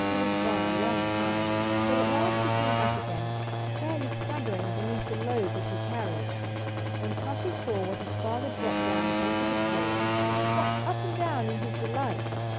He was gone a long time. But at last he came back again, fairly staggering beneath the load that he carried. When Cuffy saw what his father dropped down onto the floor he hopped up and down in his delight.